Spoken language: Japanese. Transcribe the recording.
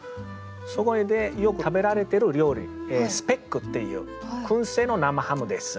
そこでよく食べられてる料理スペックっていう燻製の生ハムです。